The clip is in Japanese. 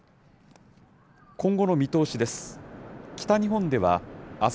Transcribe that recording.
今後の見通しです。